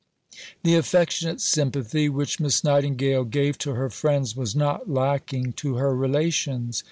II The affectionate sympathy which Miss Nightingale gave to her friends was not lacking to her relations.